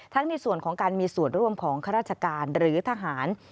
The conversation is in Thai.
ในส่วนของการมีส่วนร่วมของข้าราชการหรือทหาร